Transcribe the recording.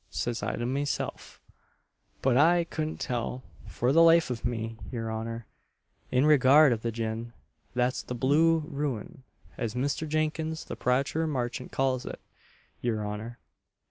says I to myself; but I couldn't tell, for the life of me, your honour, in regard of the gin that's the blue ruin, as Misther Jenkins the pratur marchant calls it, your honour.